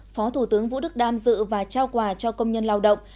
phó thủ tướng vũ đức đam dự và trao quà cho công nhân lao động